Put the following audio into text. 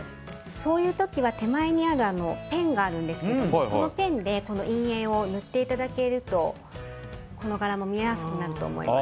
そういう時は手前にペンがあるんですけどこのペンで陰影を塗っていただけるとこの柄も見えやすくなると思います。